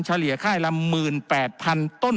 เลี่ยค่ายละ๑๘๐๐๐ต้น